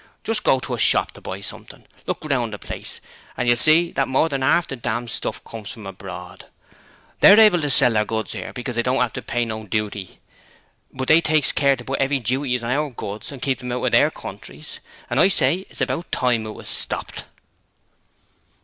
Just go to a shop to buy something; look round the place an' you'll see that more than 'arf the damn stuff comes from abroad. They're able to sell their goods 'ere because they don't 'ave to pay no dooty, but they takes care to put 'eavy dooties on our goods to keep 'em out of their countries; and I say it's about time it was stopped.'